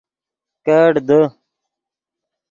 کیڑ دے